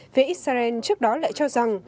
phía israel trước đó lại cho rằng